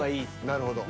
なるほど。